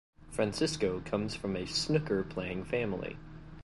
Francisco comes from a snooker-playing family.